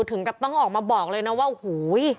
ถึงกับต้องออกมาบอกเลยนะว่าโอ้โห